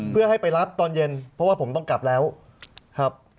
เพื่อให้ไปรับตอนเย็นเพราะว่าผมต้องกลับแล้วครับ